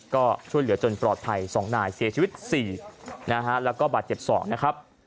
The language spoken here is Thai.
ก็ช่วยเหลือจนปลอดภัย๒นายเสียชีวิต๔นะฮะแล้วก็บาดเจ็บ๒นะครับ